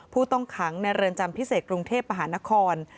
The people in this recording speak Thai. ผู้ต้องขังในเรือนจำพิเศษกรุงเทพมหานคร